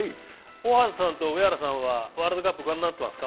大畑さんと上原さんはワールドカップご覧になってますか？